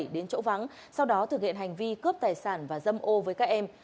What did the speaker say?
đến chỗ vắng sau đó thực hiện hành vi cướp tài sản và dâm ô với các em